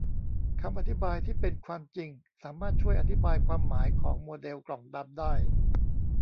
คำอธิบายที่เป็นความจริงสามารถช่วยอธิบายความหมายของโมเดลกล่องดำได้